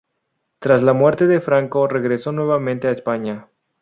Tras la muerte de Franco, regresó nuevamente a España.